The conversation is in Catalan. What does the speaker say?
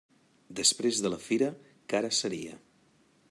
Després de la fira, cara seria.